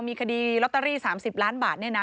มีคดีลอตเตอรี่๓๐ล้านบาทเนี่ยนะ